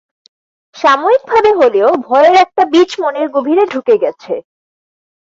সাময়িকভাবে হলেও ভয়ের একটা বীজ মনের গভীরে ঢুকে গেছে।